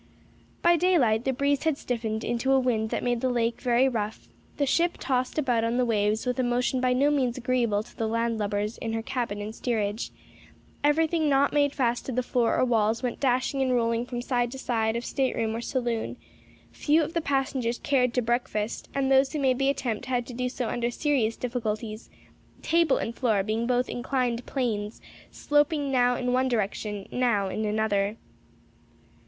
By daylight the breeze had stiffened into a wind that made the lake very rough; the ship tossed about on the waves with a motion by no means agreeable to the land lubbers in her cabin and steerage; everything not made fast to floor or walls went dashing and rolling from side to side of stateroom or saloon; few of the passengers cared to breakfast, and those who made the attempt had to do so under serious difficulties table and floor being both inclined planes, sloping now in one direction now in another.